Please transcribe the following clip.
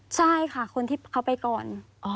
ใช่ค่ะคนที่เขาไปก่อน